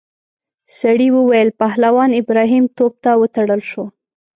سړي وویل پهلوان ابراهیم توپ ته وتړل شو.